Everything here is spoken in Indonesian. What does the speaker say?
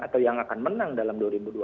atau yang akan menang dalam dua ribu dua puluh